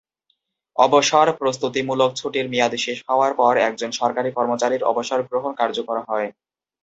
অবসর প্রস্ত্ততিমূলক ছুটির মেয়াদ শেষ হওয়ার পর একজন সরকারি কর্মচারীর অবসর গ্রহণ কার্যকর হয়।